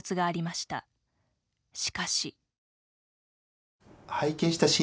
しかし。